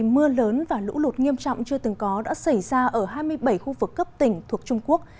mưa lớn và lũ lụt nghiêm trọng chưa từng có đã xảy ra ở hai mươi bảy khu vực cấp tỉnh thuộc trung quốc